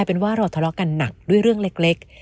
เป็นว่าเราทะเลาะกันหนักด้วยเรื่องเล็ก